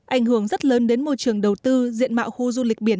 ảnh hưởng rất lớn đến môi trường đầu tư diện mạo khu du lịch biển